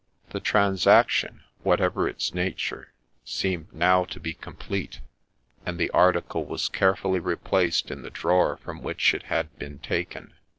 The transaction, whatever its nature, seemed now to be complete, and the article was carefully replaced in the drawer from which it had been taken.